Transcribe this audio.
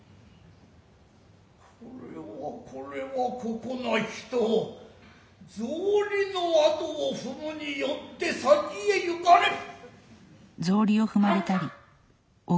これはこれは此処な人草履の後を踏むによつて先へ行かれぬ。